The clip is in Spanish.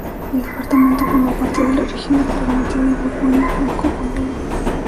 El departamento forma parte de la región actualmente de Borgoña-Franco Condado.